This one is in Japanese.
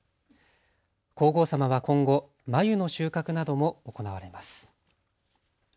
皇后さまは今後繭の収穫なども行われます。